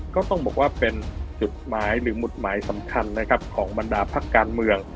ก็ต้องบอกว่าเป็นจุดหมายหรือหมุดหมายสำคัญนะครับของบรรดาพักการเมือง